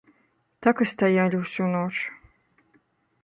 Так і стаялі ўсю ноч.